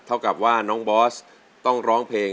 เท่ากับว่าน้องบอสต้องร้องเพลง